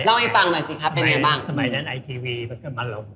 เล่าให้ฟังหน่อยสิครับเป็นไงบ้างสมัยนั้นไอทีวีมันกลับมาลง